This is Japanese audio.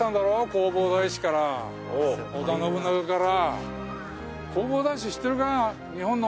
弘法大師から織田信長から。